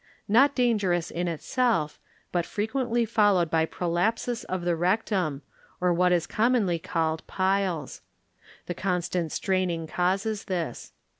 Not dangerous in itself, but fre quently followed by prolapsus of the rec tum, or what is commonly called piles. The constant straining causes this.